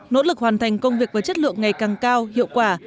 nỗ lực hoàn thành công việc với chất lượng ngày càng cao hiệu quả